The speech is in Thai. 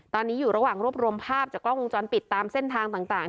ตอนนี้อยู่ระหว่างรวบรวมภาพจากกล้องวงจรปิดตามเส้นทางต่าง